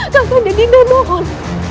kakanda dinda mohon